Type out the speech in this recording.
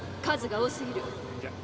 数が多すぎる。